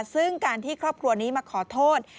ซึ่งการที่ครอบครัวนี้มาขอโทษ